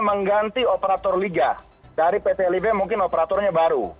mengganti operator liga dari pt lib mungkin operatornya baru